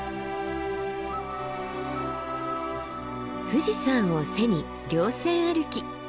富士山を背に稜線歩き。